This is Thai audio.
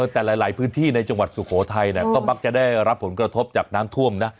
แต่หลายพื้นที่ในจังหวัดสุโขทัยก็มักจะได้รับผลกระทบจากน้ำท่วมนะ